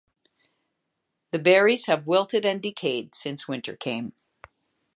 The berries have wilted and decayed since winter came.